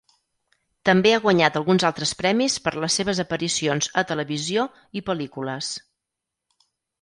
També ha guanyat alguns altres premis per les seves aparicions a televisió i pel·lícules.